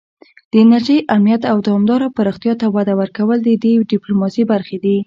د انرژۍ امنیت او دوامداره پراختیا ته وده ورکول د دې ډیپلوماسي برخې دي